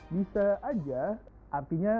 bisa aja artinya